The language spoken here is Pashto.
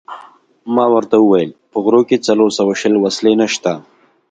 ما ورته وویل: په غرو کې څلور سوه شل وسلې نشته.